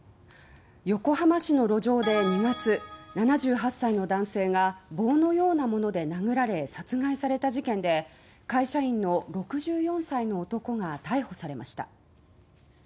横浜市の路上で２月７８歳の男性が棒のようなもので殴られ殺害された事件で会社員の６４歳の男が逮捕されました。